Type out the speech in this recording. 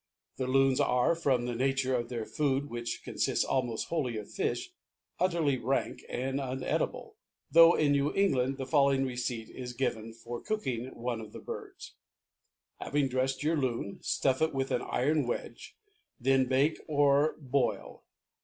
The Loons are, from the nature of their food, which consists almost wholly of fish, utterly rank and unedible, though in New England the following receipt is given for cooking one of the birds: Having dressed your Loon, stuff it with an iron wedge, then bake or boil.